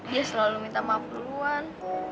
dia selalu minta maaf duluan